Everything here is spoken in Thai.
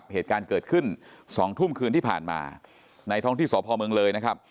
เหตุการณ์เกิดขึ้น๒ทุ่มคืนที่ผ่านมาในท้องที่สพเมืองเลยนะครับ